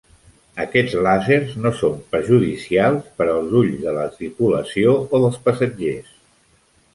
Aquests làsers no són perjudicials per als ulls de la tripulació o dels passatgers.